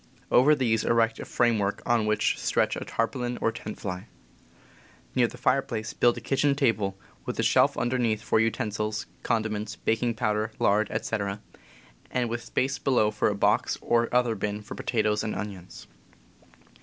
Over these erect a framework, on which stretch a tarpaulin or tent fly. Near the fire place build a kitchen table, with a shelf underneath for utensils, condiments, baking powder, lard, etc., and THE CAMP 79 with space below for a box or other bin for potatoes and onions.